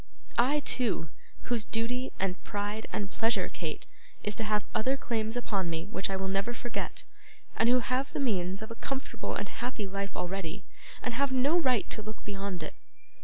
I, too, whose duty, and pride, and pleasure, Kate, it is to have other claims upon me which I will never forget; and who have the means of a comfortable and happy life already, and have no right to look beyond it!